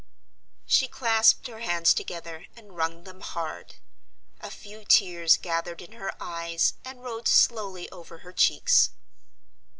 She clasped her hands together, and wrung them hard. A few tears gathered in her eyes, and rolled slowly over her cheeks.